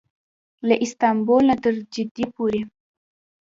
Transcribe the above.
له استانبول نه تر جدې پورې.